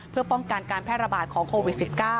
เพื่อป้องกันการแพร่ระบาดของโควิด๑๙